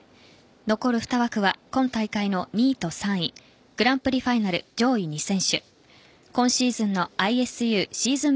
残る２枠は今大会の２位と３位グランプリファイナル上位２選手今シーズンのＩＳＵシーズン